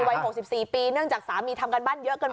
วัยหกสิบสี่ปีเงื่อวงจากสามีทำการบั้นเยอะเกินไป